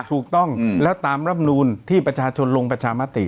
ถูกต้องแล้วตามรับนูลที่ประชาชนลงประชามติ